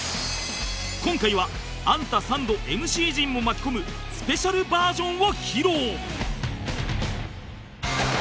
今回はアンタサンド ＭＣ 陣も巻き込むスペシャルバージョンを披露